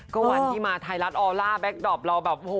ก็วันที่มาทายรัฐออลล่าแบ็คดอปเราแบบโห